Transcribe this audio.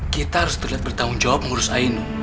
kita harus terlihat bertanggung jawab mengurus ainu